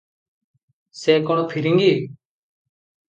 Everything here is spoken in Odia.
ସେ କଣ ଫିରିଙ୍ଗୀ?